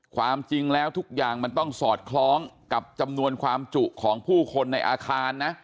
ความจริงแล้วทุกอย่างมันต้องสอดคล้องกับจำนวนความจุของผู้คนในอาคารนะ